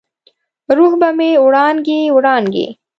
روح به مې وړانګې، وړانګې،